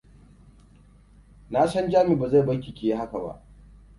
Na san Jami ba zai barki ki yi haka ba.